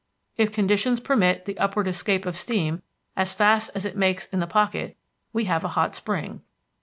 If conditions permit the upward escape of steam as fast as it makes in the pocket, we have a hot spring.